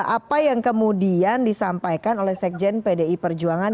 apa yang kemudian disampaikan oleh sekjen pdi perjuangan